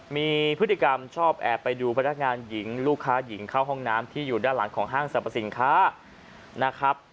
มีพฤติกรรมชอบแอบไปดูพนักงานหญิงลูกค้าหญิงเข้าห้องน้ำที่อยู่ด้านหลังของห้างสรรพสินค้านะครับ